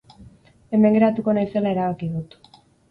Hemen geratuko naizela erabaki dut.